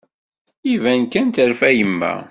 Iban kan terfa yemma.